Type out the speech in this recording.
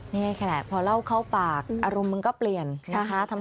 นี่ค่ะพอเล่าเข้าปากอารมณ์มึงก็เปลี่ยนนะคะ